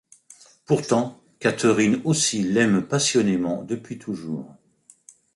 Pourtant, Catherine aussi l'aime passionnément depuis toujours...